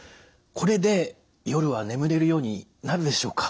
これで夜は眠れるようになるでしょうか？